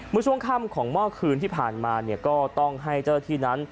เมื่อช่วงค่ำของเมื่อคืนที่ผ่านมาเนี่ยก็ต้องให้เจ้าหน้าที่นั้น